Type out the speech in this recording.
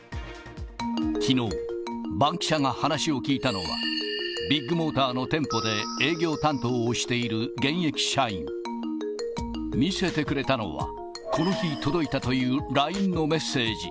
きのう、バンキシャが話を聞いたのは、ビッグモーターの店舗で営業担当している現役社員。見せてくれたのは、この日届いたというＬＩＮＥのメッセージ。